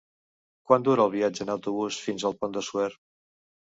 Quant dura el viatge en autobús fins al Pont de Suert?